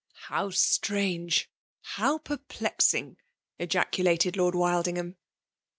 " How strange ! ^how perplexing !'* qa ' culated Lord Wildingham.